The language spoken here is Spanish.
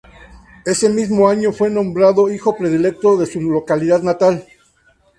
Ese mismo año fue nombrado hijo predilecto de su localidad natal.